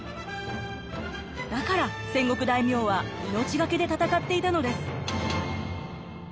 だから戦国大名は命懸けで戦っていたのです。